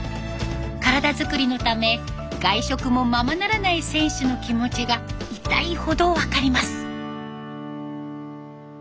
体作りのため外食もままならない選手の気持ちが痛いほど分かります。